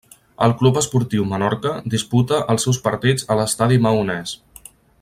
El Club Esportiu Menorca disputes els seus partits a l'Estadi Maonès.